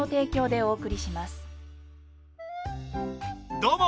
どうも！